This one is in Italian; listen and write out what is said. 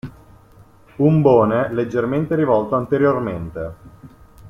Umbone leggermente rivolto anteriormente.